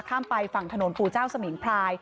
ข้ามไปฝั่งถนนปู่เจ้าสมิงพราย